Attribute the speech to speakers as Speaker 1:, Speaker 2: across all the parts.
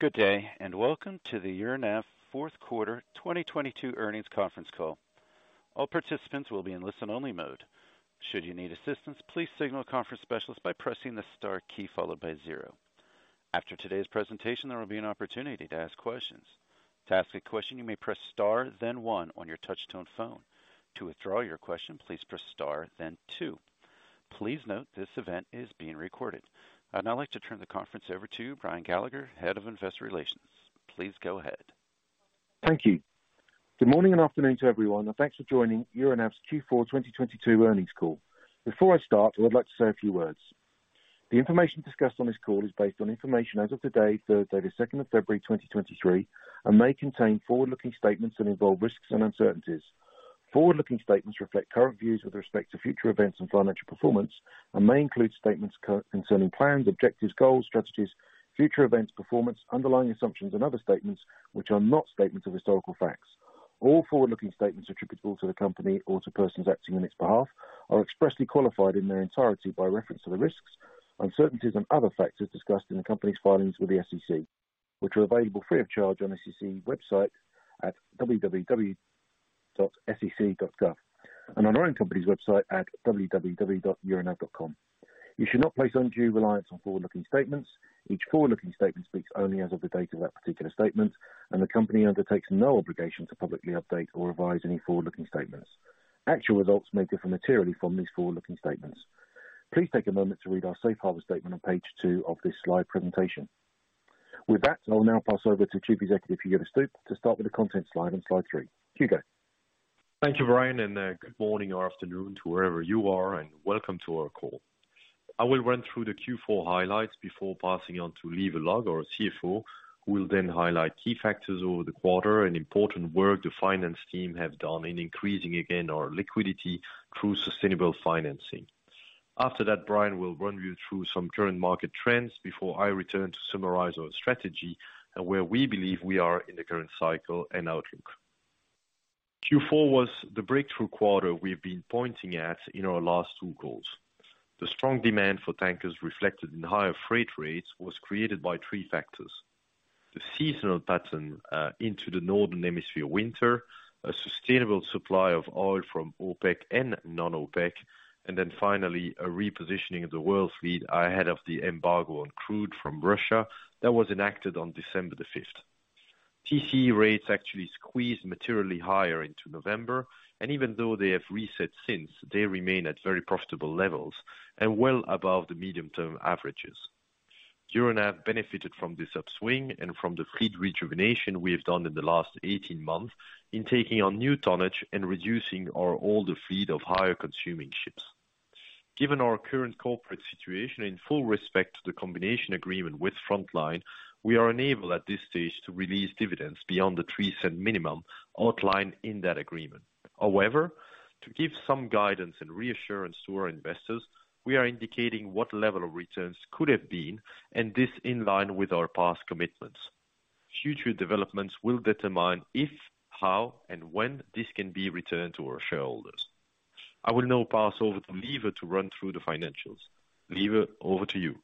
Speaker 1: Good day, welcome to the Euronav fourth quarter 2022 earnings conference call. All participants will be in listen-only mode. Should you need assistance, please signal a conference specialist by pressing the star key followed by zero. After today's presentation, there will be an opportunity to ask questions. To ask a question, you may press star then 1 on your touch tone phone. To withdraw your question, please press star then two. Please note this event is being recorded. I'd now like to turn the conference over to Brian Gallagher, Head of Investor Relations. Please go ahead.
Speaker 2: Thank you. Good morning and afternoon to everyone, and thanks for joining Euronav's Q4 2022 earnings call. Before I start, I would like to say a few words. The information discussed on this call is based on information as of today, Thursday, the second of February, 2023, and may contain forward-looking statements that involve risks and uncertainties. Forward-looking statements reflect current views with respect to future events and financial performance and may include statements concerning plans, objectives, goals, strategies, future events, performance, underlying assumptions and other statements which are not statements of historical facts. All forward-looking statements attributable to the company or to persons acting on its behalf are expressly qualified in their entirety by reference to the risks, uncertainties, and other factors discussed in the company's filings with the SEC, which are available free of charge on SEC website at www.sec.gov and on our own company's website at www.euronav.com. You should not place undue reliance on forward-looking statements. Each forward-looking statement speaks only as of the date of that particular statement, and the company undertakes no obligation to publicly update or revise any forward-looking statements. Actual results may differ materially from these forward-looking statements. Please take a moment to read our safe harbor statement on page two of this slide presentation. With that, I'll now pass over to Chief Executive, Alexander Saverys, to start with the content slide on slide three. Hugo.
Speaker 3: Thank you, Brian. Good morning or afternoon to wherever you are, and welcome to our call. I will run through the Q4 highlights before passing on to Lieve Laga, our CFO, who will then highlight key factors over the quarter and important work the finance team have done in increasing again our liquidity through sustainable financing. After that, Brian will run you through some current market trends before I return to summarize our strategy and where we believe we are in the current cycle and outlook. Q4 was the breakthrough quarter we've been pointing at in our last two calls. The strong demand for tankers reflected in higher freight rates was created by three factors: The seasonal pattern into the Northern Hemisphere winter, a sustainable supply of oil from OPEC and non-OPEC, and finally, a repositioning of the world fleet ahead of the embargo on crude from Russia that was enacted on December 5th. TCE rates actually squeezed materially higher into November, and even though they have reset since, they remain at very profitable levels and well above the medium-term averages. Euronav benefited from this upswing and from the fleet rejuvenation we have done in the last 18 months in taking on new tonnage and reducing our older fleet of higher consuming ships. Given our current corporate situation, in full respect to the combination agreement with Frontline, we are unable at this stage to release dividends beyond the $0.03 minimum outlined in that agreement. To give some guidance and reassurance to our investors, we are indicating what level of returns could have been and this in line with our past commitments. Future developments will determine if, how, and when this can be returned to our shareholders. I will now pass over to Lieve to run through the financials. Lieve, over to you.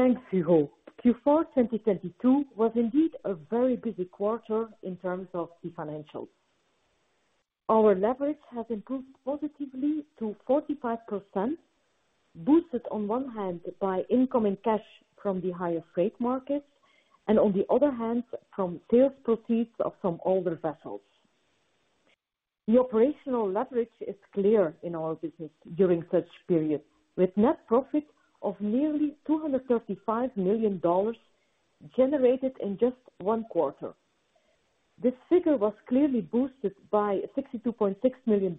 Speaker 4: Thanks, Hugo. Q4 2022 was indeed a very busy quarter in terms of the financials. Our leverage has improved positively to 45%, boosted on one hand by incoming cash from the higher freight markets and on the other hand from sales proceeds of some older vessels. The operational leverage is clear in our business during such periods, with net profit of nearly $235 million generated in just one quarter. This figure was clearly boosted by $62.6 million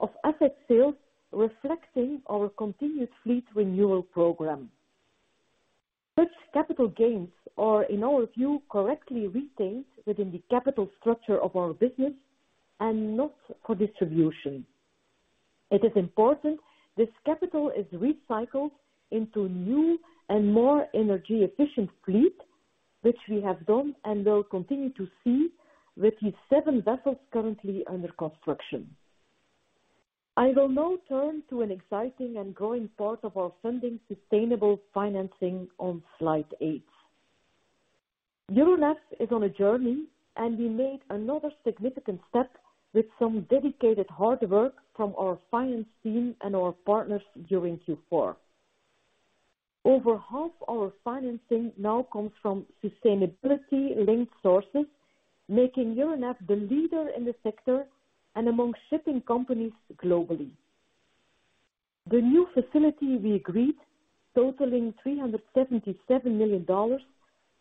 Speaker 4: of asset sales, reflecting our continued fleet renewal program. Such capital gains are, in our view, correctly retained within the capital structure of our business and not for distribution. It is important this capital is recycled into new and more energy efficient fleet, which we have done and will continue to see with the seven vessels currently under construction. I will now turn to an exciting and growing part of our funding, sustainable financing, on slide 8. Euronav is on a journey, and we made another significant step with some dedicated hard work from our finance team and our partners during Q4. Over half our financing now comes from sustainability-linked sources, making Euronav the leader in the sector and among shipping companies globally. The new facility we agreed, totaling $377 million,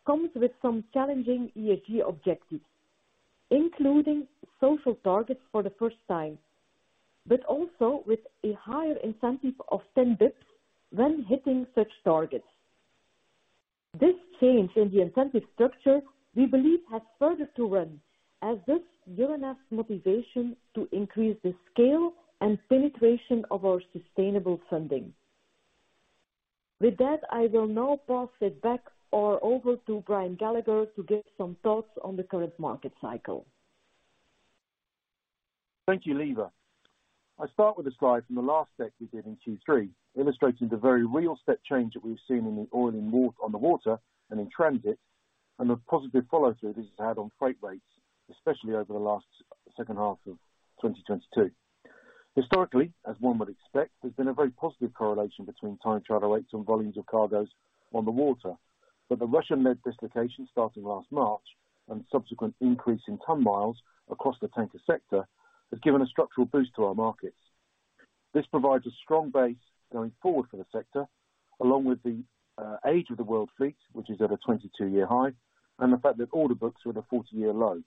Speaker 4: comes with some challenging ESG objectives, including social targets for the first time, but also with a higher incentive of 10 EBITDA when hitting such targets. This change in the incentive structure, we believe, has further to run as this Euronav's motivation to increase the scale and penetration of our sustainable funding. With that, I will now pass it back or over to Brian Gallagher to give some thoughts on the current market cycle.
Speaker 2: Thank you, Lieve. I start with a slide from the last deck we did in Q3, illustrating the very real step change that we've seen in the oil in move on the water and in transit, and the positive follow-through this has had on freight rates, especially over the last second half of 2022. Historically, as one would expect, there's been a very positive correlation between time charter rates and volumes of cargoes on the water. The Russian-led dislocation starting last March, and subsequent increase in ton-miles across the tanker sector, has given a structural boost to our markets. This provides a strong base going forward for the sector, along with the age of the world fleet, which is at a 22-year high, and the fact that order books are at a 40-year low,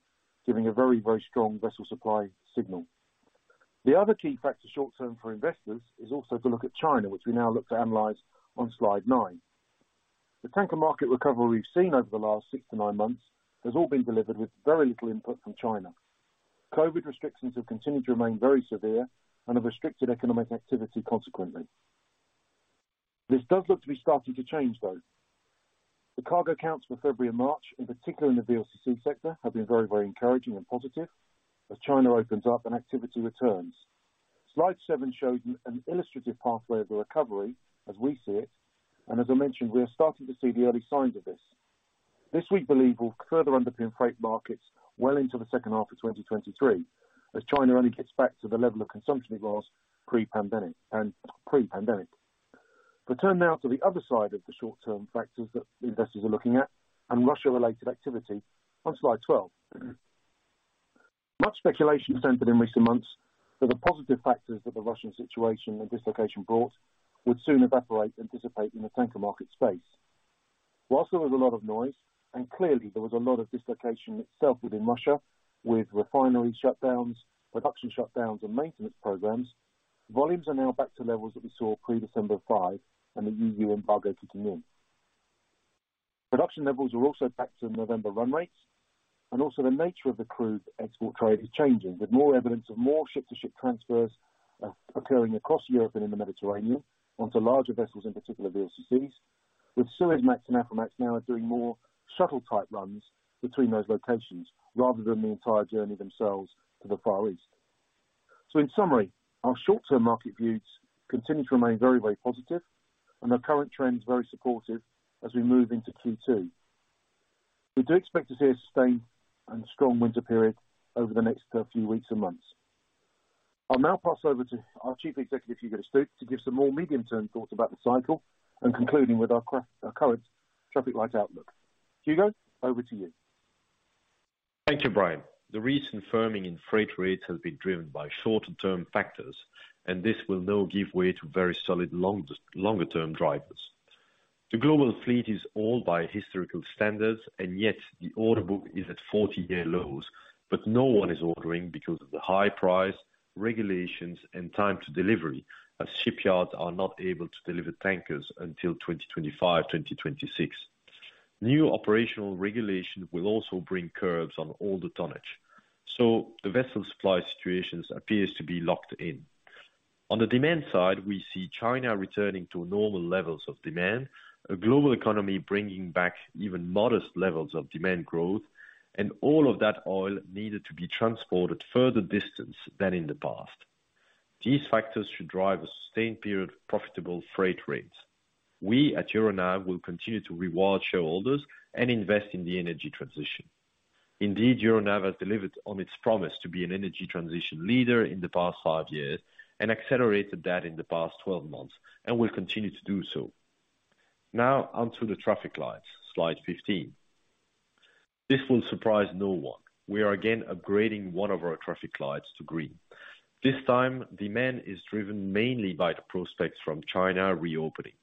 Speaker 2: giving a very, very strong vessel supply signal. The other key factor short term for investors is also to look at China, which we now look to analyze on slide 9. The tanker market recovery we've seen over the last 6-9 months has all been delivered with very little input from China. COVID restrictions have continued to remain very severe and have restricted economic activity consequently. This does look to be starting to change, though. The cargo counts for February and March, in particular in the VLCC sector, have been very, very encouraging and positive as China opens up and activity returns. Slide 7 shows an illustrative pathway of the recovery as we see it. As I mentioned, we are starting to see the early signs of this. This we believe will further underpin freight markets well into the second half of 2023 as China only gets back to the level of consumption it was pre-pandemic. Turn now to the other side of the short-term factors that investors are looking at and Russia-related activity on slide 12. Much speculation centered in recent months that the positive factors that the Russian situation and dislocation brought would soon evaporate and dissipate in the tanker market space. While there was a lot of noise, and clearly there was a lot of dislocation itself within Russia, with refinery shutdowns, production shutdowns and maintenance programs, volumes are now back to levels that we saw pre-December 5 and the usual embargo came in. Production levels are also back to November run rates. Also the nature of the crude export trade is changing, with more evidence of more ship-to-ship transfers, occurring across Europe and in the Mediterranean onto larger vessels, in particular VLCCs, with Suezmax and Aframax now are doing more shuttle type runs between those locations rather than the entire journey themselves to the Far East. In summary, our short-term market views continue to remain very, very positive and the current trends very supportive as we move into Q2. We do expect to see a sustained and strong winter period over the next few weeks and months. I'll now pass over to our Chief Executive, Hugo De Stoop, to give some more medium-term thoughts about the cycle and concluding with our current traffic light outlook. Hugo, over to you.
Speaker 3: Thank you, Brian. The recent firming in freight rates has been driven by shorter-term factors, and this will now give way to very solid longer-term drivers. The global fleet is all by historical standards, and yet the order book is at 40-year lows. No one is ordering because of the high price, regulations, and time to delivery, as shipyards are not able to deliver tankers until 2025, 2026. New operational regulation will also bring curbs on all the tonnage, so the vessel supply situations appears to be locked in. On the demand side, we see China returning to normal levels of demand, a global economy bringing back even modest levels of demand growth, and all of that oil needed to be transported further distance than in the past. These factors should drive a sustained period of profitable freight rates. We at Euronav will continue to reward shareholders and invest in the energy transition. Indeed, Euronav has delivered on its promise to be an energy transition leader in the past 5 years and accelerated that in the past 12 months, and will continue to do so. Now on to the traffic lights. Slide 15. This will surprise no one. We are again upgrading one of our traffic lights to green. This time, demand is driven mainly by the prospects from China reopening.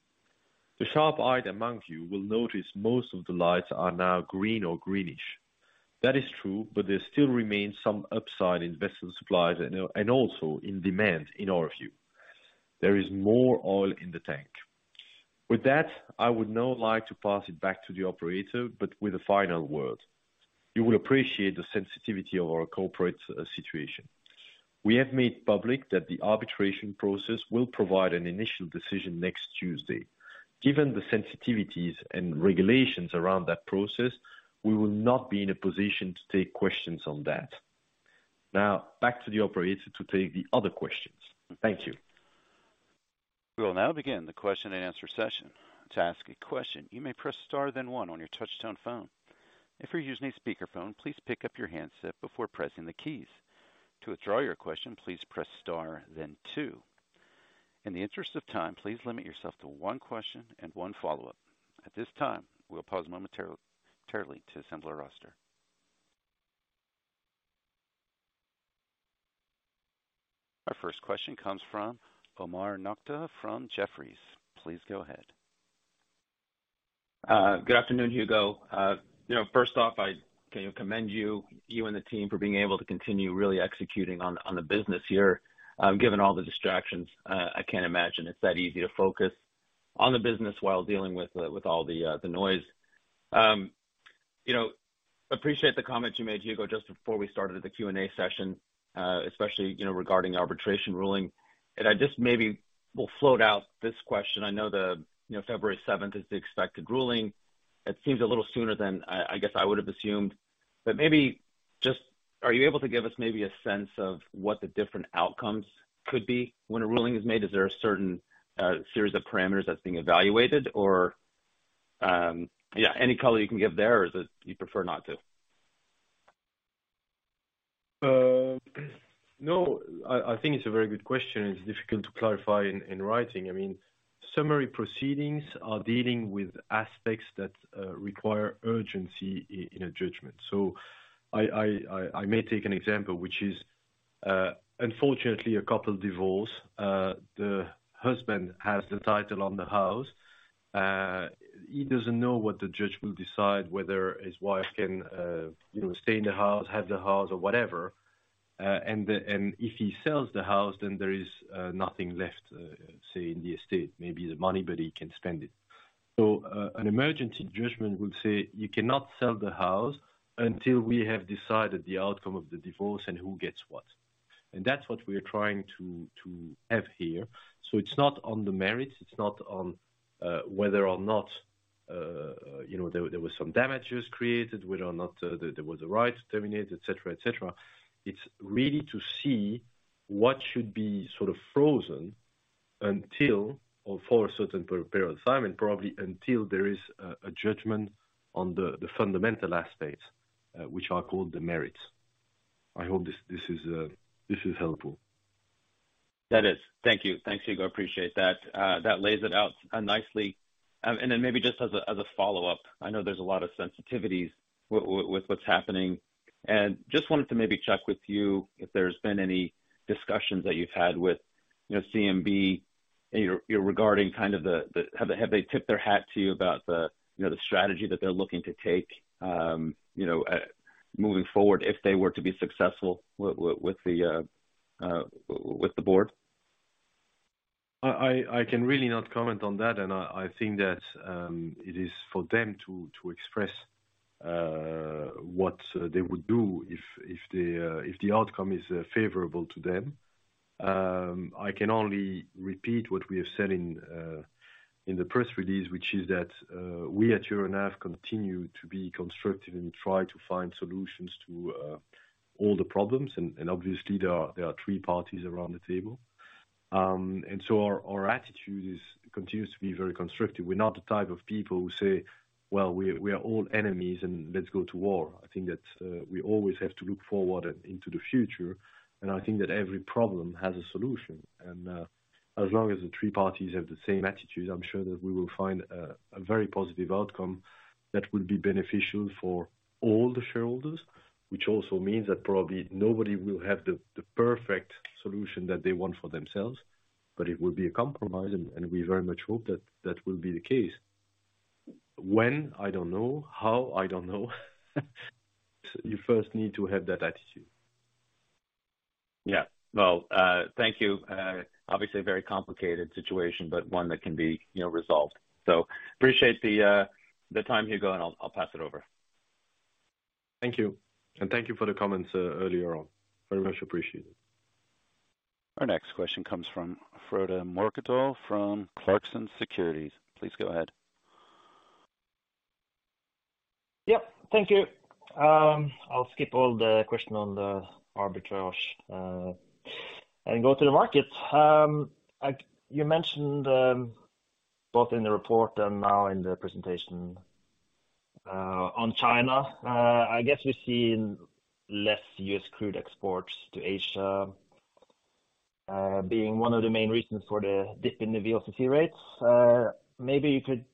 Speaker 3: The sharp-eyed among you will notice most of the lights are now green or greenish. That is true, but there still remains some upside in vessel supplies and also in demand in our view. There is more oil in the tank. With that, I would now like to pass it back to the operator, but with a final word. You will appreciate the sensitivity of our corporate situation. We have made public that the arbitration process will provide an initial decision next Tuesday. Given the sensitivities and regulations around that process, we will not be in a position to take questions on that. Back to the operator to take the other questions. Thank you.
Speaker 2: We will now begin the question and answer session. To ask a question, you may press star then one on your touchtone phone. If you're using a speakerphone, please pick up your handset before pressing the keys. To withdraw your question, please press star then two. In the interest of time, please limit yourself to one question and one follow-up. At this time, we'll pause momentarily, temporarily to assemble our roster. Our first question comes from Omar Nokta from Jefferies. Please go ahead.
Speaker 5: Good afternoon, Hugo. you know, first off, I commend you and the team for being able to continue really executing on the business here. Given all the distractions, I can't imagine it's that easy to focus on the business while dealing with all the noise. you know, appreciate the comments you made, Hugo, just before we started the Q&A session, especially, you know, regarding arbitration ruling. I just maybe will float out this question. I know the, you know, February 7th is the expected ruling. It seems a little sooner than I guess I would have assumed. Maybe just... are you able to give us maybe a sense of what the different outcomes could be when a ruling is made? Is there a certain series of parameters that's being evaluated? Or... Yeah. Any color you can give there, or is it you'd prefer not to?
Speaker 3: No. I think it's a very good question. It's difficult to clarify in writing. I mean, summary proceedings are dealing with aspects that require urgency in a judgment. I may take an example, which is, unfortunately, a couple divorce. The husband has the title on the house. He doesn't know what the judge will decide, whether his wife can, you know, stay in the house, have the house or whatever. And if he sells the house, there is nothing left, say, in the estate. Maybe the money, but he can spend it. An emergency judgment would say, you cannot sell the house until we have decided the outcome of the divorce and who gets what. That's what we are trying to have here. It's not on the merits, it's not on, whether or not, you know, there was some damages created, whether or not there was a right to terminate, et cetera, et cetera. It's really to see what should be sort of frozen until or for a certain period of time, and probably until there is a judgment on the fundamental aspects, which are called the merits. I hope this is helpful.
Speaker 5: That is. Thank you. Thanks, Hugo. I appreciate that. That lays it out nicely. Then maybe just as a follow-up, I know there's a lot of sensitivities with what's happening. Just wanted to maybe check with you if there's been any discussions that you've had with, you know, CMB, regarding kind of the. Have they tipped their hat to you about the, you know, the strategy that they're looking to take, you know, moving forward, if they were to be successful with the board?
Speaker 3: I can really not comment on that. I think that it is for them to express what they would do if the outcome is favorable to them. I can only repeat what we have said in the press release, which is that we at Euronav continue to be constructive and try to find solutions to all the problems. Obviously there are three parties around the table. Our attitude continues to be very constructive. We're not the type of people who say, "Well, we are all enemies, and let's go to war." I think that we always have to look forward into the future, and I think that every problem has a solution. As long as the three parties have the same attitude, I'm sure that we will find a very positive outcome that will be beneficial for all the shareholders, which also means that probably nobody will have the perfect solution that they want for themselves, but it will be a compromise, and we very much hope that that will be the case. When? I don't know. How? I don't know. You first need to have that attitude.
Speaker 5: Yeah. Well, thank you. Obviously a very complicated situation, but one that can be, you know, resolved. Appreciate the time, Hugo, and I'll pass it over.
Speaker 3: Thank you. Thank you for the comments, earlier on. Very much appreciate it.
Speaker 1: Our next question comes from Frode Mørkedal from Clarksons Securities. Please go ahead.
Speaker 6: Yep. Thank you. I'll skip all the question on the arbitrage, go to the markets. You mentioned both in the report and now in the presentation, on China. I guess we've seen less U.S. crude exports to Asia, being one of the main reasons for the dip in the VLCC rates. Maybe you could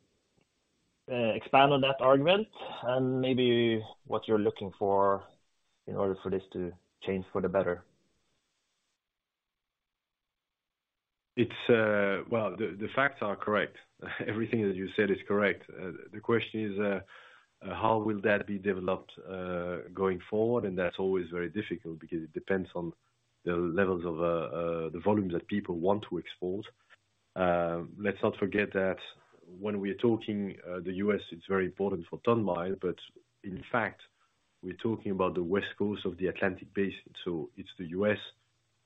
Speaker 6: expand on that argument and maybe what you're looking for in order for this to change for the better.
Speaker 3: It's... Well, the facts are correct. Everything that you said is correct. The question is, how will that be developed going forward? That's always very difficult because it depends on the levels of the volume that people want to export. Let's not forget that when we're talking, the U.S. is very important for ton-mile, but in fact, we're talking about the West Coast of the Atlantic Basin, so it's the U.S.,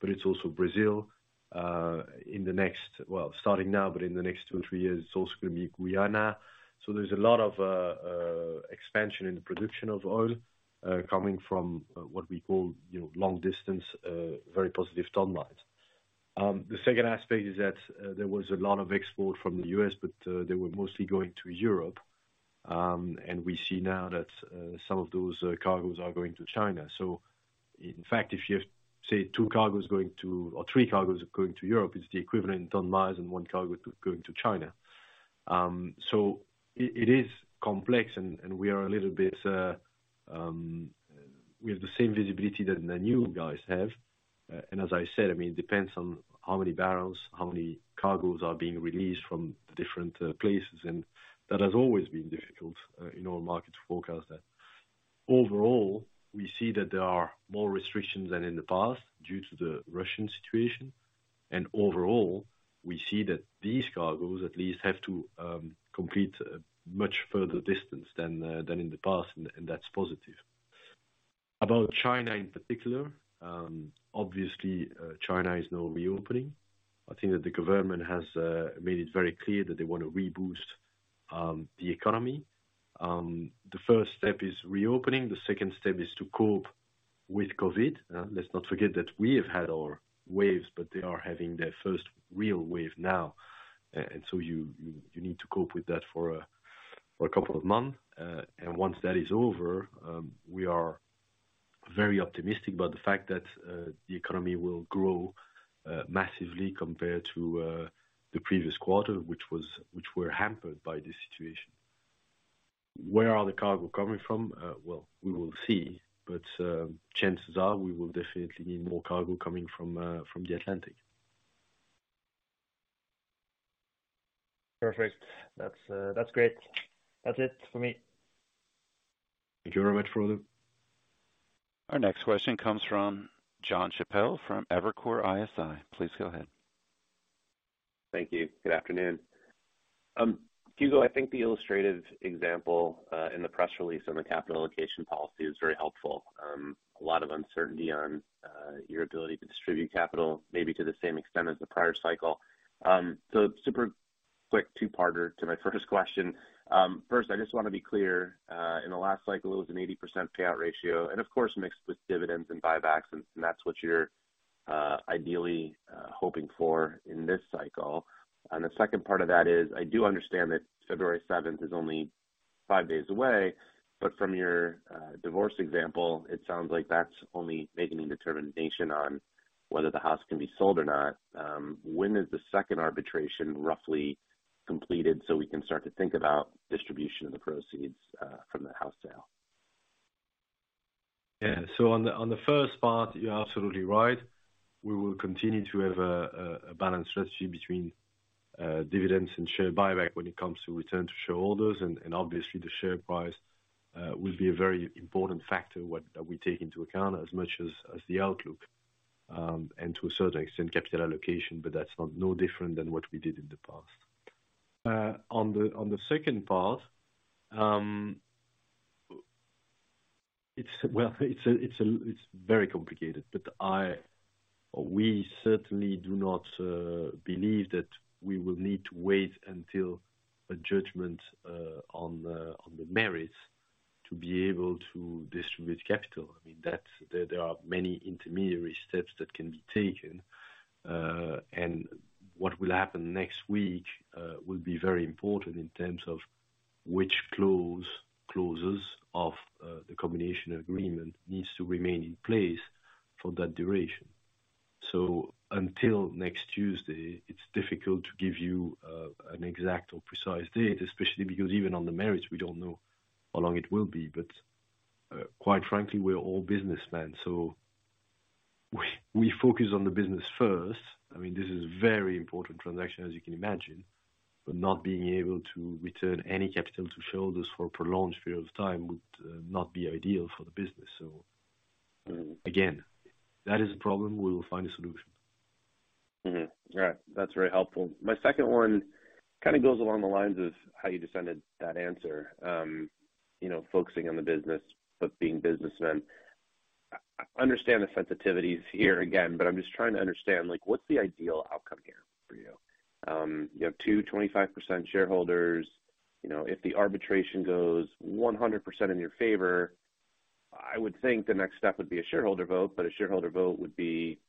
Speaker 3: but it's also Brazil in the next... Well, starting now, but in the next two–three years it's also going to be Guyana. There's a lot of expansion in the production of oil coming from what we call, you know, long distance, very positive ton-miles. The second aspect is that there was a lot of export from the U.S., but they were mostly going to Europe. We see now that some of those cargos are going to China. In fact, if you have, say, 2 cargos going to or 3 cargos going to Europe, it's the equivalent ton-miles in one cargo going to China. It is complex, and we are a little bit. We have the same visibility that the new guys have. As I said, I mean, it depends on how many barrels, how many cargos are being released from the different places. That has always been difficult in our market to forecast that. Overall, we see that there are more restrictions than in the past due to the Russian situation. Overall, we see that these cargos at least have to complete a much further distance than in the past, and that's positive. About China in particular, obviously, China is now reopening. I think that the government has made it very clear that they want to reboost the economy. The first step is reopening. The second step is to cope with COVID. Let's not forget that we have had our waves, but they are having their first real wave now. You need to cope with that for a couple of months. Once that is over, we are very optimistic about the fact that the economy will grow massively compared to the previous quarter, which were hampered by this situation. Where are the cargo coming from? Well, we will see, but chances are we will definitely need more cargo coming from the Atlantic.
Speaker 6: Perfect. That's, that's great. That's it for me.
Speaker 3: Thank you very much, Frode.
Speaker 1: Our next question comes from Jonathan Chappell from Evercore ISI. Please go ahead.
Speaker 7: Thank you. Good afternoon. Hugo, I think the illustrative example in the press release on the capital allocation policy is very helpful. A lot of uncertainty on your ability to distribute capital maybe to the same extent as the prior cycle. So super quick 2-parter to my first question. First, I just wanna be clear, in the last cycle, it was an 80% payout ratio and of course mixed with dividends and buybacks, and that's what you're ideally hoping for in this cycle. The second part of that is, I do understand that February 7th is only 5 days away, but from your divorce example, it sounds like that's only making a determination on whether the house can be sold or not. When is the second arbitration roughly completed so we can start to think about distribution of the proceeds from the house sale?
Speaker 3: On the first part, you're absolutely right. We will continue to have a balanced strategy between dividends and share buyback when it comes to return to shareholders, and obviously the share price will be a very important factor what we take into account as much as the outlook, and to a certain extent, capital allocation, but that's not no different than what we did in the past. On the second part, Well, it's a, it's very complicated, but we certainly do not believe that we will need to wait until a judgment on the merits to be able to distribute capital. I mean, that's. There are many intermediary steps that can be taken. What will happen next week, will be very important in terms of which clauses of the combination agreement needs to remain in place for that duration. Until next Tuesday, it's difficult to give you an exact or precise date, especially because even on the merits, we don't know how long it will be. Quite frankly, we're all businessmen, so we focus on the business first. I mean, this is a very important transaction, as you can imagine. Not being able to return any capital to shareholders for a prolonged period of time would not be ideal for the business. Again, that is a problem. We will find a solution.
Speaker 7: Right. That's very helpful. My second one kind of goes along the lines of how you just ended that answer. You know, focusing on the business, but being businessmen. I understand the sensitivities here again, but I'm just trying to understand, like, what's the ideal outcome here for you? You have 2 25% shareholders. You know, if the arbitration goes 100% in your favor, I would think the next step would be a shareholder vote, but a shareholder vote would be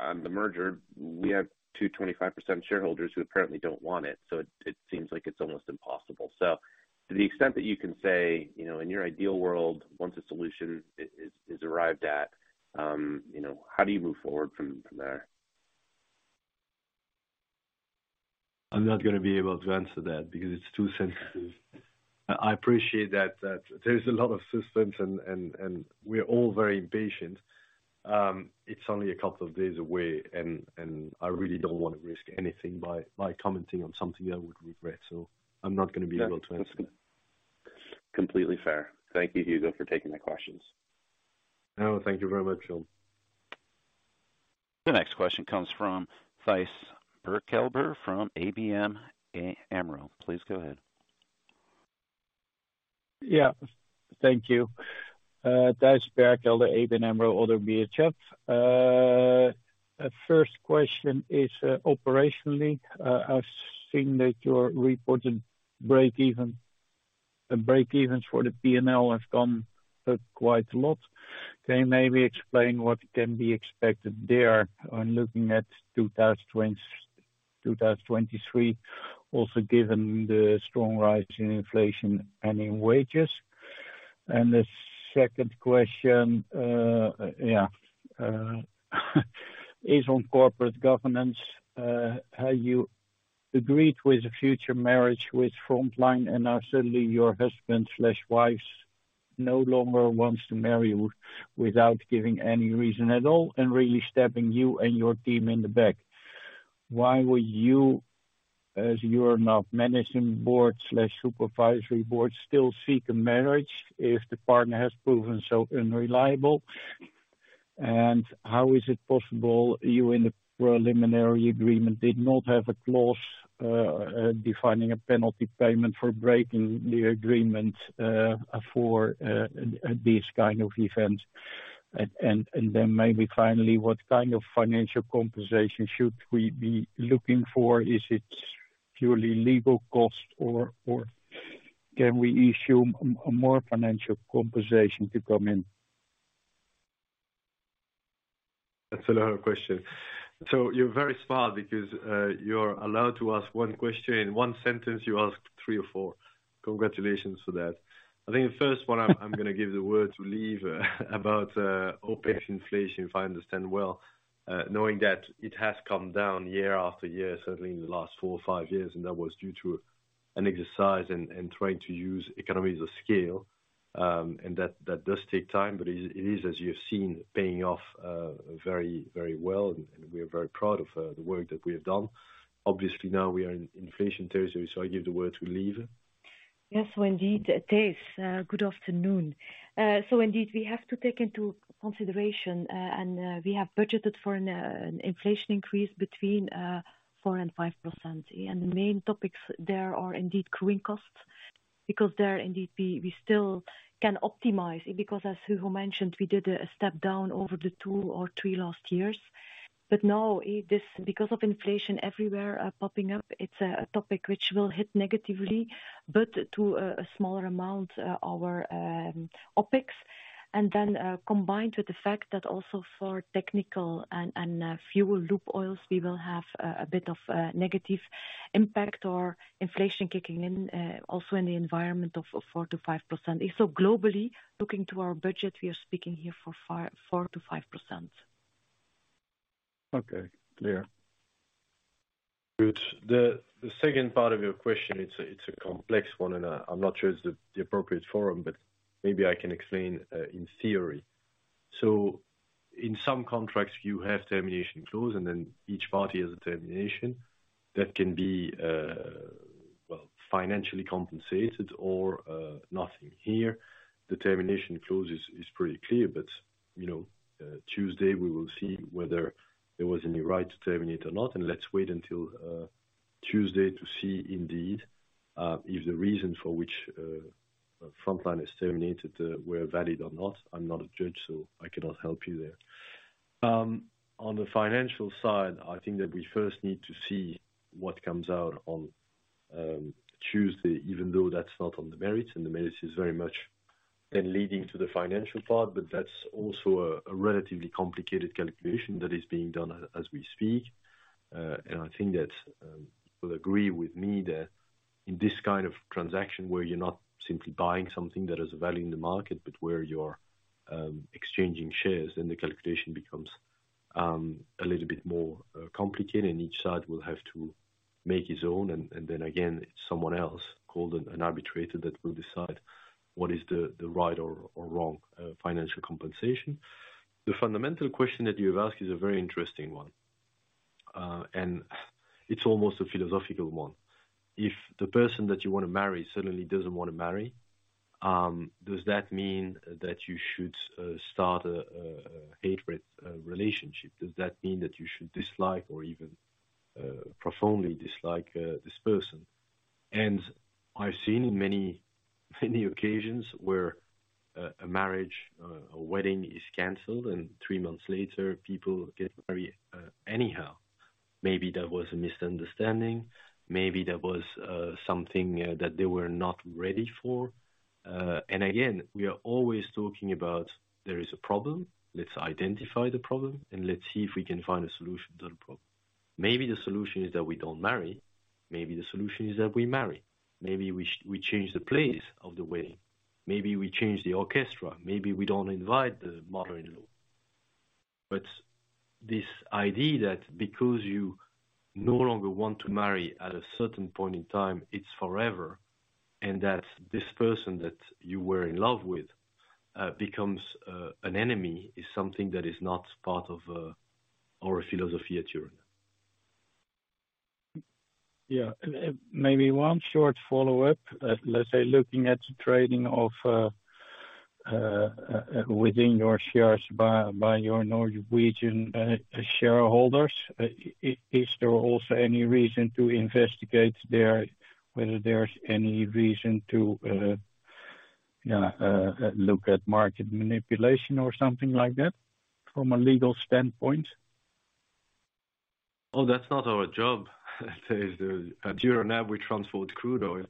Speaker 7: on the merger. We have 2 25% shareholders who apparently don't want it, so it seems like it's almost impossible. To the extent that you can say, you know, in your ideal world, once a solution is arrived at, you know, how do you move forward from there?
Speaker 3: I'm not gonna be able to answer that because it's too sensitive. I appreciate that there's a lot of suspense and we're all very impatient. It's only a couple of days away and I really don't wanna risk anything by commenting on something I would regret. I'm not gonna be able to answer that.
Speaker 7: Completely fair. Thank you, Hugo, for taking the questions.
Speaker 3: No, thank you very much, Jon.
Speaker 1: The next question comes from Thijs Berkelder from ABN AMRO. Please go ahead.
Speaker 8: Thank you. Thijs Berkelder, ABN AMRO, ODDO BHF. First question is, operationally, I've seen that your reported breakeven, break-evens for the P&L have gone quite a lot. Can you maybe explain what can be expected there when looking at 2023, also given the strong rise in inflation and in wages? The second question is on corporate governance. How you agreed with the future marriage with Frontline, and now suddenly your husband/wife no longer wants to marry you without giving any reason at all and really stabbing you and your team in the back. Why would you, as you are now, managing board/supervisory board, still seek a marriage if the partner has proven so unreliable? How is it possible you in the preliminary agreement did not have a clause defining a penalty payment for breaking the agreement for these kind of events? Then maybe finally, what kind of financial compensation should we be looking for? Is it purely legal costs or can we assume more financial compensation to come in?
Speaker 3: That's a lot of questions. You're very smart because you're allowed to ask one question. In one sentence, you asked three or four. Congratulations for that. I think the first one, I'm gonna give the word to Liv about OPEX inflation, if I understand well, knowing that it has come down year after year, certainly in the last four or five years, and that was due to an exercise and trying to use economies of scale. That does take time, but it is, as you have seen, paying off very, very well, and we are very proud of the work that we have done. Obviously, now we are in inflation territory, I give the word to Liv.
Speaker 4: Yes. Indeed, it is. Good afternoon. Indeed, we have to take into consideration, and we have budgeted for an inflation increase between 4% and 5%. The main topics there are indeed growing costs because there indeed we still can optimize it because as Hugo mentioned, we did a step down over the 2 or 3 last years. Now because of inflation everywhere popping up, it's a topic which will hit negatively, but to a smaller amount, our OPEX. Combined with the fact that also for technical and fuel lube oils, we will have a bit of negative impact or inflation kicking in also in the environment of 4% to 5%. Globally, looking to our budget, we are speaking here for 4%-5%.
Speaker 8: Okay. Clear.
Speaker 3: Good. The second part of your question, it's a complex one, and I'm not sure it's the appropriate forum, maybe I can explain in theory. In some contracts, you have termination clause, each party has a termination that can be, well, financially compensated or nothing here. The termination clause is pretty clear. You know, Tuesday, we will see whether there was any right to terminate or not. Let's wait until Tuesday to see indeed if the reason for which Frontline is terminated were valid or not. I'm not a judge, I cannot help you there. On the financial side, I think that we first need to see what comes out on Tuesday, even though that's not on the merits, and the merits is very much then leading to the financial part. That's also a relatively complicated calculation that is being done as we speak. I think that you will agree with me that in this kind of transaction where you're not simply buying something that has a value in the market, but where you're exchanging shares, then the calculation becomes a little bit more complicated, and each side will have to make its own. Then again, someone else called an arbitrator that will decide what is the right or wrong financial compensation. The fundamental question that you have asked is a very interesting one. It's almost a philosophical one. If the person that you wanna marry suddenly doesn't wanna marry, does that mean that you should start a hatred relationship? Does that mean that you should dislike or even profoundly dislike this person? I've seen many occasions where a marriage, a wedding is canceled, and 3 months later, people get married anyhow. Maybe there was a misunderstanding, maybe there was something that they were not ready for. Again, we are always talking about there is a problem. Let's identify the problem, and let's see if we can find a solution to the problem. Maybe the solution is that we don't marry. Maybe the solution is that we marry. Maybe we change the place of the wedding. Maybe we change the orchestra. Maybe we don't invite the mother-in-law. But this idea that because you no longer want to marry at a certain point in time, it's forever, and that this person that you were in love with, becomes an enemy, is something that is not part of our philosophy at Euronav.
Speaker 8: Yeah. Maybe one short follow-up. Let's say looking at the trading of, within your shares by your Norwegian shareholders, is there also any reason to investigate there whether there's any reason to, yeah, look at market manipulation or something like that from a legal standpoint?
Speaker 3: Oh, that's not our job. At Euronav, we transport crude oil.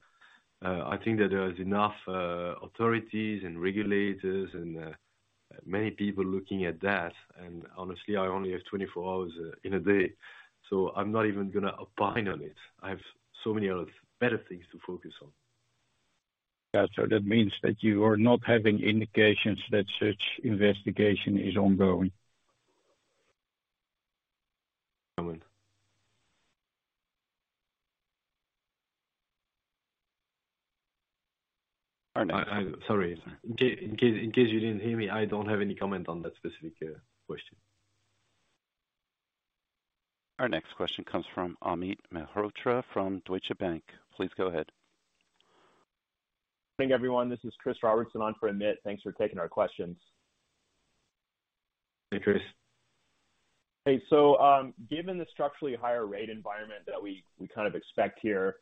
Speaker 3: I think that there is enough authorities and regulators and many people looking at that. Honestly, I only have 24 hours in a day, so I'm not even gonna opine on it. I have so many other better things to focus on.
Speaker 8: Yeah. That means that you are not having indications that such investigation is ongoing.
Speaker 3: Sorry. In case you didn't hear me, I don't have any comment on that specific question.
Speaker 1: Our next question comes from Amit Mehrotra from Deutsche Bank. Please go ahead.
Speaker 9: Good morning, everyone. This is Christopher Robertson on for Amit. Thanks for taking our questions.
Speaker 3: Hey, Chris.
Speaker 9: Hey. Given the structurally higher rate environment that we kind of expect here,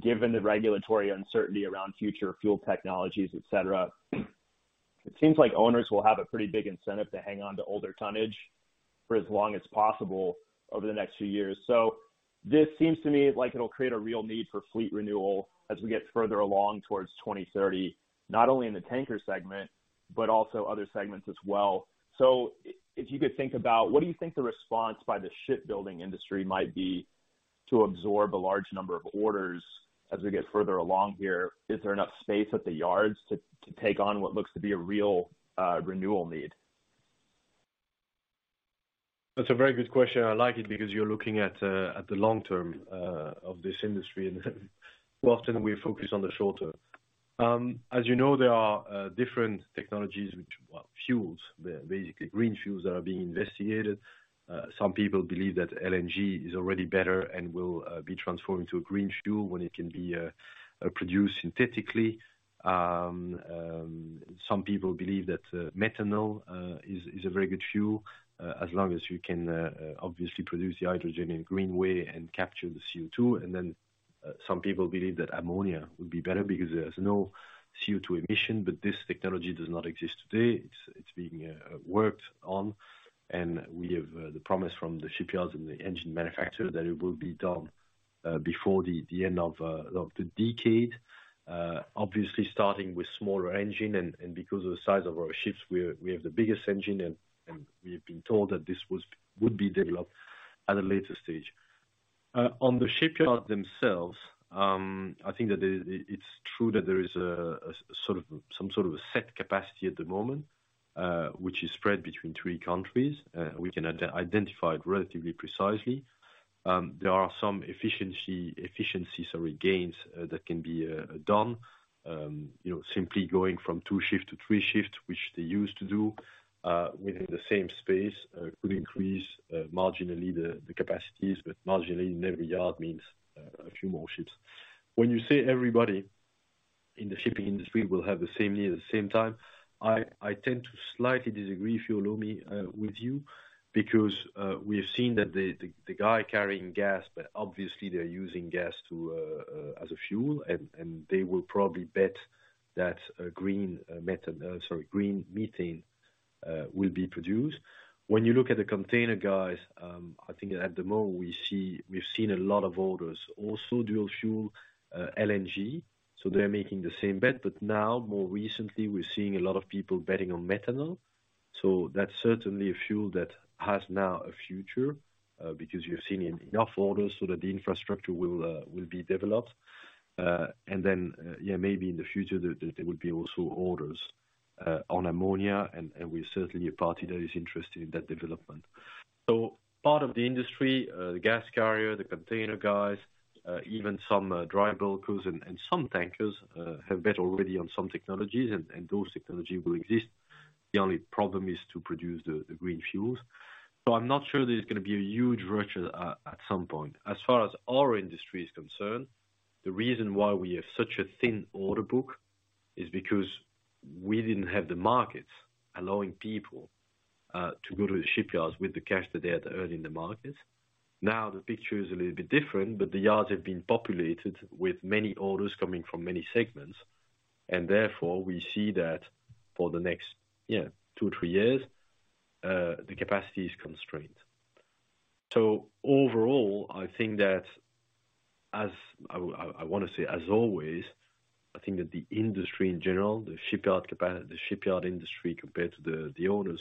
Speaker 9: given the regulatory uncertainty around future fuel technologies, et cetera, it seems like owners will have a pretty big incentive to hang on to older tonnage for as long as possible over the next few years. This seems to me like it'll create a real need for fleet renewal as we get further along towards 2030, not only in the tanker segment, but also other segments as well. If you could think about what do you think the response by the shipbuilding industry might be to absorb a large number of orders as we get further along here? Is there enough space at the yards to take on what looks to be a real renewal need?
Speaker 3: That's a very good question. I like it because you're looking at the long term of this industry, and too often we focus on the short term. As you know, there are different technologies. Well, fuels, basically green fuels that are being investigated. Some people believe that LNG is already better and will be transformed into a green fuel when it can be produced synthetically. Some people believe that methanol is a very good fuel as long as you can obviously produce the hydrogen in green way and capture the CO2. Some people believe that ammonia would be better because there's no CO2 emission, but this technology does not exist today. It's being worked on. We have the promise from the shipyards and the engine manufacturer that it will be done before the end of the decade. Obviously starting with smaller engine and because of the size of our ships, we have the biggest engine and we've been told that this would be developed at a later stage. On the shipyards themselves, I think that it's true that there is a sort of some sort of a set capacity at the moment, which is spread between 3 countries. We can identify it relatively precisely. There are some efficiency, sorry, gains that can be done. You know, simply going from 2 shift to 3 shifts, which they used to do, within the same space, could increase marginally the capacities, but marginally in every yard means a few more ships. When you say everybody in the shipping industry will have the same need at the same time, I tend to slightly disagree, if you allow me, with you, because we have seen that the guy carrying gas, but obviously they're using gas to as a fuel, and they will probably bet that green methane will be produced. When you look at the container guys, I think at the moment we've seen a lot of orders also dual fuel, LNG. They're making the same bet. Now more recently, we're seeing a lot of people betting on methanol. That's certainly a fuel that has now a future, because you've seen enough orders so that the infrastructure will be developed. Maybe in the future there will be also orders on ammonia, and we're certainly a party that is interested in that development. Part of the industry, the gas carrier, the container guys, even some dry bulkers and some tankers have bet already on some technologies, and those technology will exist. The only problem is to produce the green fuels. I'm not sure that it's gonna be a huge rush at some point. As far as our industry is concerned, the reason why we have such a thin order book is because we didn't have the markets allowing people to go to the shipyards with the cash that they had earned in the markets. The picture is a little bit different, but the yards have been populated with many orders coming from many segments. Therefore, we see that for the next, yeah, two or three years, the capacity is constrained. Overall, I think that as always, I think that the industry in general, the shipyard industry compared to the owners,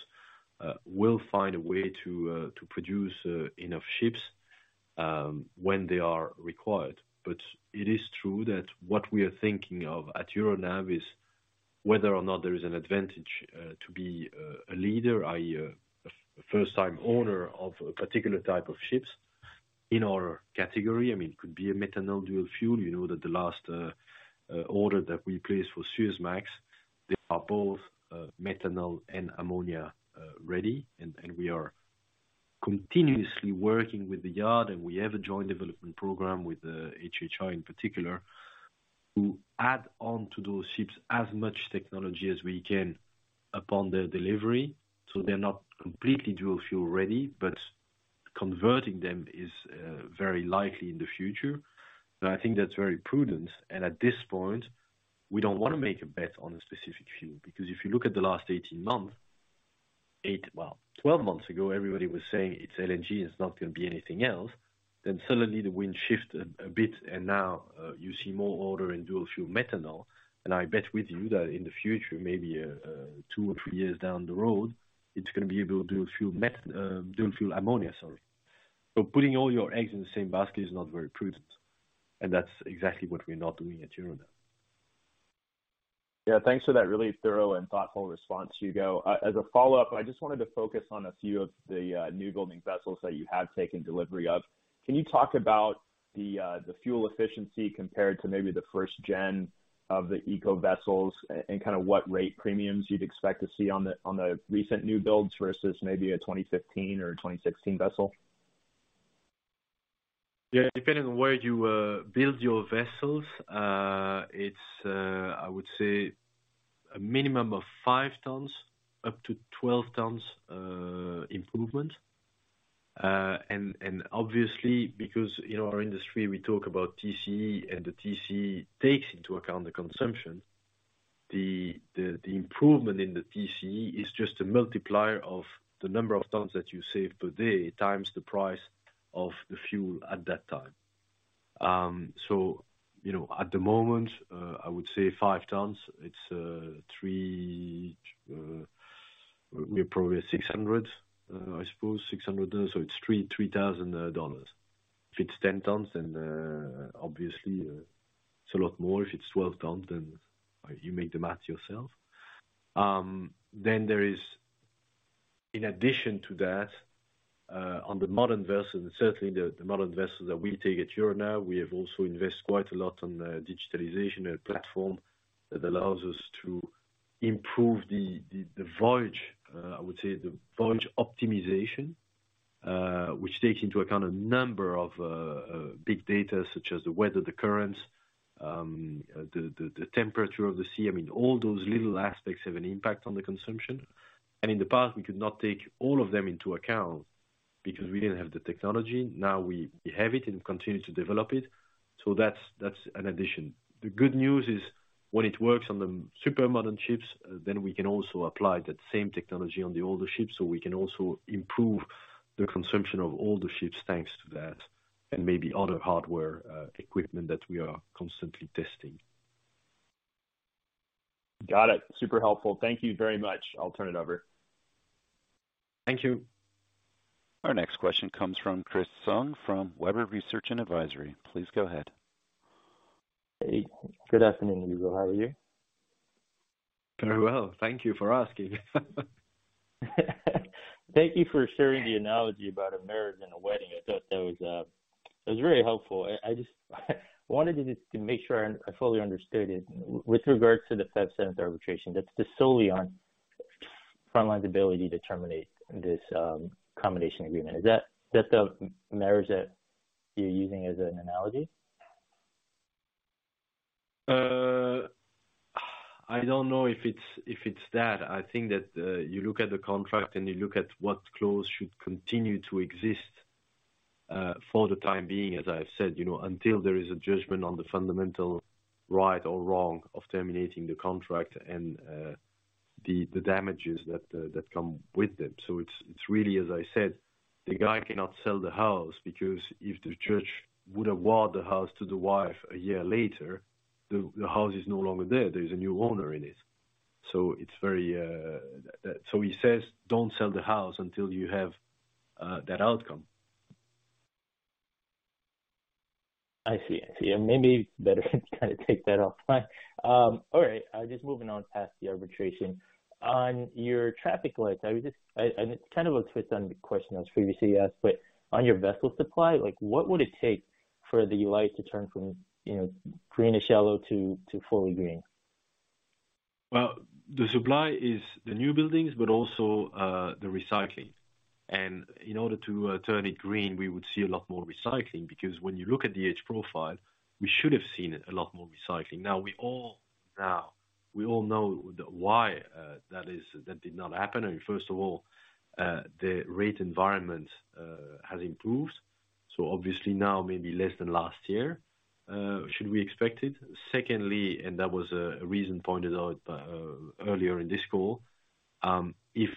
Speaker 3: will find a way to produce enough ships when they are required. It is true that what we are thinking of at Euronav is whether or not there is an advantage to be a leader, i.e., a first-time owner of a particular type of ships in our category. I mean, it could be a methanol dual fuel. You know that the last order that we placed for Suezmax, they are both methanol and ammonia ready. We are continuously working with the yard, and we have a joint development program with HHI in particular to add on to those ships as much technology as we can upon their delivery. They're not completely dual fuel ready, but converting them is very likely in the future. I think that's very prudent. At this point, we don't wanna make a bet on a specific fuel. Because if you look at the last 18 months, 12 months ago, everybody was saying it's LNG, it's not gonna be anything else. Suddenly the wind shifted a bit, and now, you see more order in dual fuel methanol. I bet with you that in the future, maybe, 2 or 3 years down the road, it's gonna be a dual fuel ammonia, sorry. Putting all your eggs in the same basket is not very prudent, and that's exactly what we're not doing at Euronav.
Speaker 9: Yeah. Thanks for that really thorough and thoughtful response, Hugo. As a follow-up, I just wanted to focus on a few of the new building vessels that you have taken delivery of. Can you talk about the fuel efficiency compared to maybe the first gen of the eco vessels and kinda what rate premiums you'd expect to see on the recent new builds versus maybe a 2015 or a 2016 vessel?
Speaker 3: Depending on where you build your vessels, it's I would say a minimum of 5 tons, up to 12 tons improvement. Obviously because in our industry we talk about TCE, and the TCE takes into account the consumption, the improvement in the TCE is just a multiplier of the number of tons that you save per day times the price of the fuel at that time. You know, at the moment, I would say 5 tons. It's probably $600, I suppose. $600. It's $3,000. If it's 10 tons, then obviously it's a lot more. If it's 12 tons, then you make the math yourself. in addition to that, on the modern vessels, certainly the modern vessels that we take at Euronav, we have also invested quite a lot on the digitalization platform that allows us to improve the voyage. I would say the voyage optimization, which takes into account a number of big data such as the weather, the currents, the temperature of the sea. I mean, all those little aspects have an impact on the consumption. And in the past, we could not take all of them into account because we didn't have the technology. Now we have it and continue to develop it. So that's an addition The good news is when it works on the super modern ships, then we can also apply that same technology on the older ships, so we can also improve the consumption of all the ships thanks to that, and maybe other hardware, equipment that we are constantly testing.
Speaker 9: Got it. Super helpful. Thank you very much. I'll turn it over.
Speaker 3: Thank you.
Speaker 1: Our next question comes from Chris Sung from Webber Research & Advisory. Please go ahead.
Speaker 10: Hey, good afternoon, Hugo. How are you?
Speaker 3: Very well. Thank you for asking.
Speaker 10: Thank you for sharing the analogy about a marriage and a wedding. I thought that was very helpful. I just wanted to make sure I fully understood it. With regards to the February 7 arbitration, that's just solely on Frontline's ability to terminate this combination agreement. Is that the marriage that you're using as an analogy?
Speaker 3: I don't know if it's, if it's that. I think that, you look at the contract, and you look at what clause should continue to exist, for the time being, as I've said, you know, until there is a judgment on the fundamental right or wrong of terminating the contract and, the damages that come with them. It's, it's really, as I said, the guy cannot sell the house because if the church would award the house to the wife a year later, the house is no longer there. There is a new owner in it. It's very... So he says, "Don't sell the house until you have, that outcome.
Speaker 10: I see. I see. Maybe better to kind of take that offline. All right. Just moving on past the arbitration. On your traffic lights, it's kind of a twist on the question that was previously asked, but on your vessel supply, like what would it take for the light to turn from, you know, greenish yellow to fully green?
Speaker 3: The supply is the new buildings, but also the recycling. In order to turn it green, we would see a lot more recycling because when you look at the age profile, we should have seen a lot more recycling. Now we all know why that is, that did not happen. I mean, first of all, the rate environment has improved. Obviously now maybe less than last year, should we expect it. Secondly, and that was a reason pointed out earlier in this call, if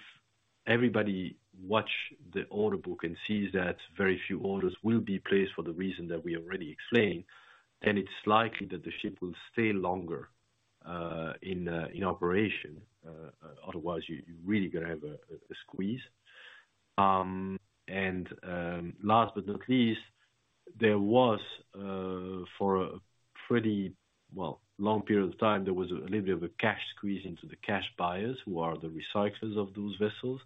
Speaker 3: everybody watch the order book and sees that very few orders will be placed for the reason that we already explained, then it's likely that the ship will stay longer in operation. Otherwise you're really gonna have a squeeze. Last but not least, for a pretty, well, long period of time, there was a little bit of a cash squeeze into the cash buyers who are the recyclers of those vessels.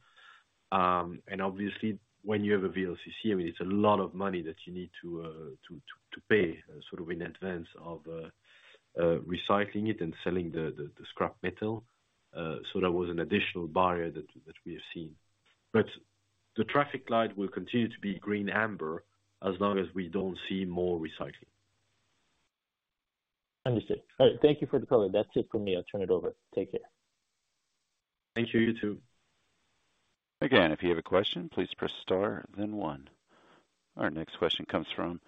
Speaker 3: Obviously when you have a VLCC, I mean, it's a lot of money that you need to pay sort of in advance of recycling it and selling the scrap metal. That was an additional barrier that we have seen. The traffic light will continue to be green amber as long as we don't see more recycling.
Speaker 10: Understood. All right. Thank you for the color. That's it from me. I'll turn it over. Take care.
Speaker 3: Thank you. You too.
Speaker 1: Again, if you have a question, please press star then one. Our next question comes from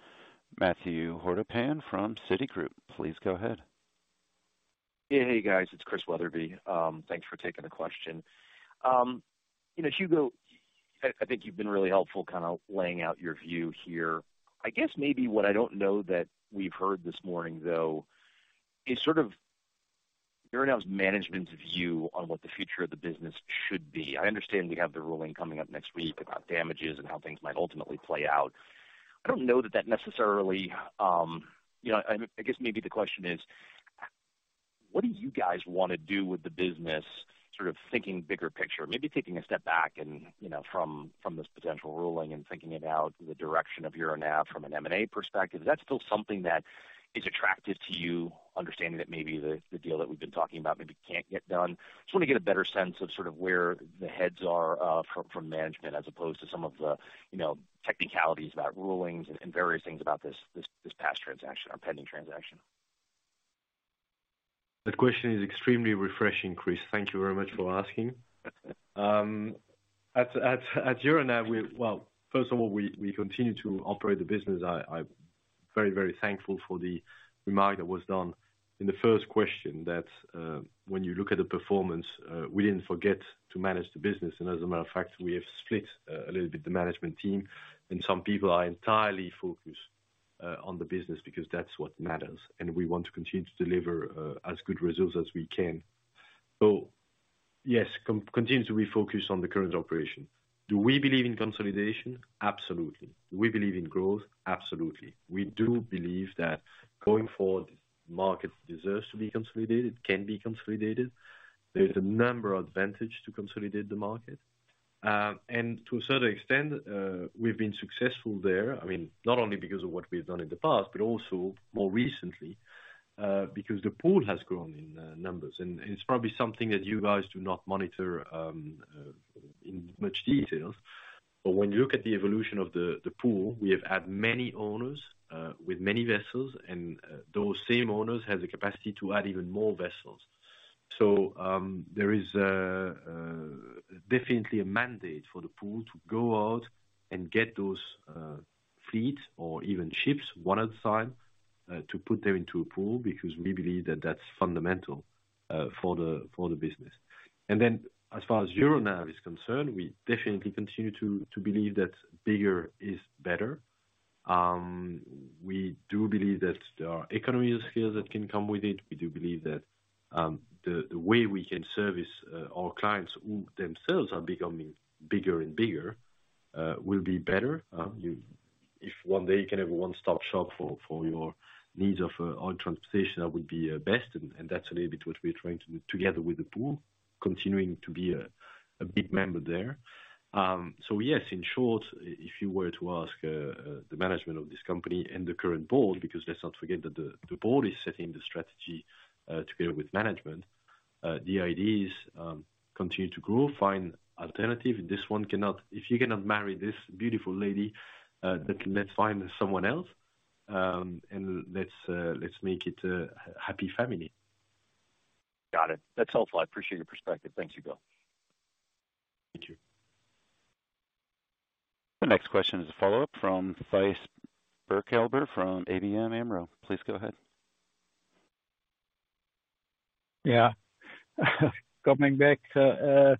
Speaker 1: Matthew Hortopan from Citigroup. Please go ahead.
Speaker 11: Yeah. Hey, guys, it's Christian Wetherbee. Thanks for taking the question. You know, Hugo, I think you've been really helpful kind of laying out your view here. I guess maybe what I don't know that we've heard this morning though is sort of Euronav's management view on what the future of the business should be. I understand we have the ruling coming up next week about damages and how things might ultimately play out. I don't know that that necessarily. You know, I guess maybe the question is, what do you guys wanna do with the business sort of thinking bigger picture? Maybe taking a step back and, you know, from this potential ruling and thinking about the direction of Euronav from an M&A perspective. Is that still something that is attractive to you, understanding that maybe the deal that we've been talking about maybe can't get done? Just want to get a better sense of sort of where the heads are from management as opposed to some of the, you know, technicalities about rulings and various things about this past transaction or pending transaction.
Speaker 3: That question is extremely refreshing, Chris. Thank you very much for asking. At Euronav. Well, first of all, we continue to operate the business. I very thankful for the remark that was done in the first question that when you look at the performance, we didn't forget to manage the business. As a matter of fact, we have split a little bit the management team, and some people are entirely focused on the business because that's what matters, and we want to continue to deliver as good results as we can. Yes, continue to refocus on the current operation. Do we believe in consolidation? Absolutely. Do we believe in growth? Absolutely. We do believe that going forward, market deserves to be consolidated, can be consolidated. There's a number of advantage to consolidate the market. To a certain extent, we've been successful there. I mean, not only because of what we've done in the past, but also more recently, because the pool has grown in numbers. It's probably something that you guys do not monitor in much details. When you look at the evolution of the pool, we have had many owners with many vessels, and those same owners have the capacity to add even more vessels. There is a definitely a mandate for the pool to go out and get those fleets or even ships one at a time to put them into a pool, because we believe that that's fundamental for the business. As far as Euronav is concerned, we definitely continue to believe that bigger is better. We do believe that there are economies here that can come with it. We do believe that the way we can service our clients who themselves are becoming bigger and bigger will be better. If one day you can have a one-stop shop for your needs of all transportation, that would be best, and that's a little bit what we're trying to do together with the pool, continuing to be a big member there. Yes, in short, if you were to ask the management of this company and the current board, because let's not forget that the board is setting the strategy together with management, the idea is, continue to grow, find alternative. This one cannot... If you cannot marry this beautiful lady, then let's find someone else, and let's make it a happy family.
Speaker 11: Got it. That's helpful. I appreciate your perspective. Thank you, Hugo.
Speaker 3: Thank you.
Speaker 1: The next question is a follow-up from Thijs Berkelder from ABN AMRO. Please go ahead.
Speaker 8: Yeah. Coming back, let's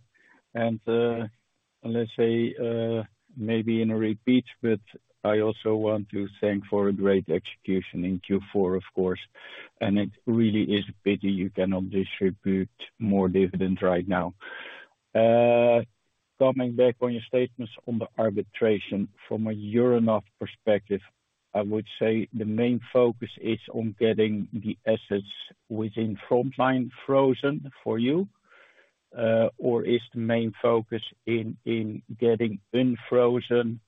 Speaker 8: say, maybe in a repeat, but I also want to thank for a great execution in Q4, of course. It really is a pity you cannot distribute more dividends right now. Coming back on your statements on the arbitration, from a Euronav perspective, I would say the main focus is on getting the assets within Frontline frozen for you. Or is the main focus in getting unfrozen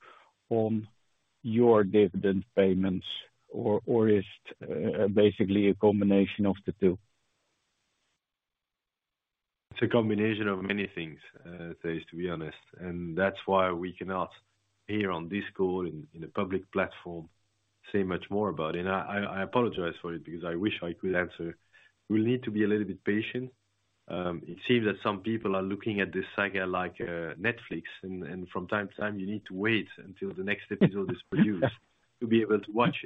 Speaker 8: on your dividend payments? Or is basically a combination of the two?
Speaker 3: It's a combination of many things, Gijs, to be honest. That's why we cannot here on this call, in a public platform, say much more about it. I apologize for it because I wish I could answer. We'll need to be a little bit patient. It seems that some people are looking at this saga like Netflix, and from time to time, you need to wait until the next episode is produced to be able to watch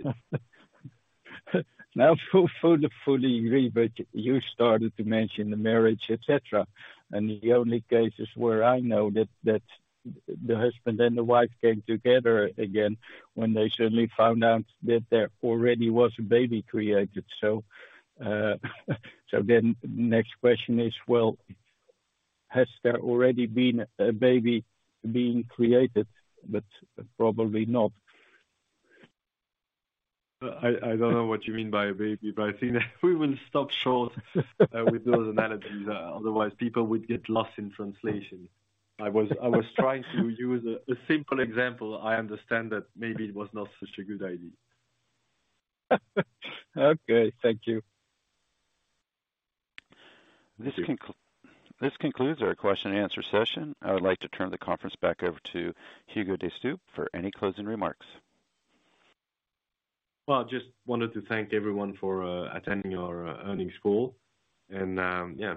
Speaker 3: it.
Speaker 8: Fully agree, but you started to mention the marriage, et cetera. The only cases where I know that the husband and the wife came together again when they suddenly found out that there already was a baby created. Next question is, well, has there already been a baby being created? Probably not.
Speaker 3: I don't know what you mean by a baby, but I think that we will stop short with those analogies. Otherwise people would get lost in translation. I was trying to use a simple example. I understand that maybe it was not such a good idea.
Speaker 8: Okay. Thank you.
Speaker 3: Thank you.
Speaker 1: This concludes our question and answer session. I would like to turn the conference back over to Hugo De Stoop for any closing remarks.
Speaker 3: Well, just wanted to thank everyone for attending our earnings call. Yeah.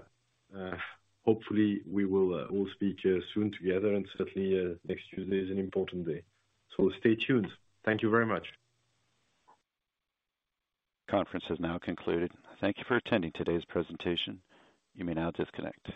Speaker 3: Hopefully we will all speak soon together and certainly next Tuesday is an important day. Stay tuned. Thank you very much.
Speaker 1: Conference has now concluded. Thank you for attending today's presentation. You may now disconnect.